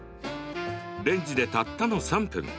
レンジで、たったの３分。